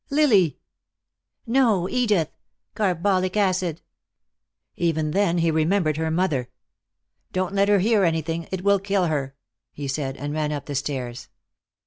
"Lily!" "No, Edith. Carbolic acid." Even then he remembered her mother. "Don't let her hear anything, It will kill her," he said, and ran up the stairs.